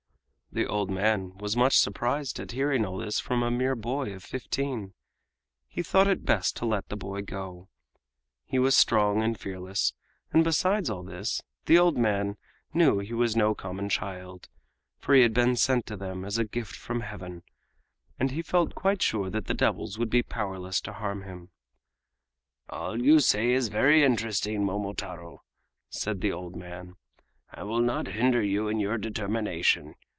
The old man was much surprised at hearing all this from a mere boy of fifteen. He thought it best to let the boy go. He was strong and fearless, and besides all this, the old man knew he was no common child, for he had been sent to them as a gift from Heaven, and he felt quite sure that the devils would be powerless to harm him. "All you say is very interesting, Momotaro," said the old man. "I will not hinder you in your determination.